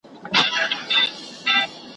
له کوهي د منګوټیو را ایستل وه `